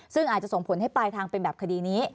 ซึ่งอาจจะส่งผลให้ปลายทางเป็นแบบคดีนี้